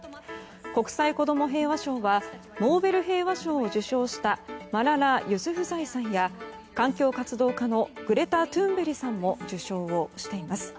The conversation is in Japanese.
国際子ども平和賞はノーベル平和賞を受賞したマララ・ユスフザイさんや環境活動家のグレタ・トゥーンベリさんも受賞をしています。